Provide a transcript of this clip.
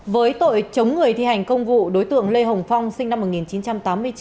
với tội chống người thi hành công vụ đối tượng lê hồng phong sinh năm một nghìn chín trăm tám mươi chín